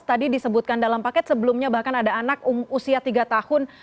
tadi disebutkan dalam paket sebelumnya bahkan ada anak usia tiga tahun